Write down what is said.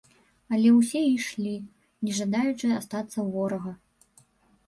Але ўсе ішлі, не жадаючы астацца ў ворага.